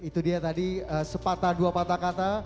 itu dia tadi sepatah dua patah kata